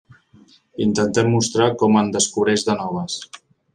Intentem mostrar com en descobreix de noves.